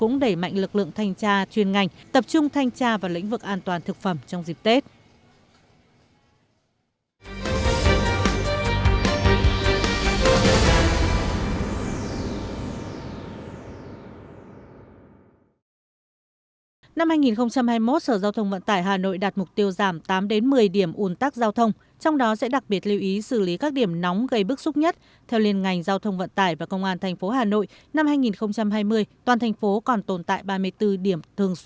năm hai nghìn hai mươi toàn thành phố còn tồn tại ba mươi bốn điểm thường xuyên un tắc trong giờ cao điểm